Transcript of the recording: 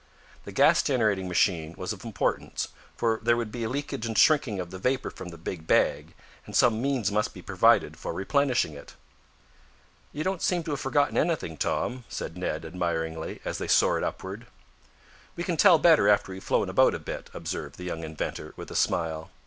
The gas generating machine was of importance, for there would be a leakage and shrinking of the vapor from the big bag, and some means must be provided for replenishing it. "You don't seem to have forgotten anything, Tom," said Ned admiringly, as they soared upward. "We can tell better after we've flown about a bit," observed the young inventor, with a smile.